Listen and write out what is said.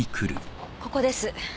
ここです。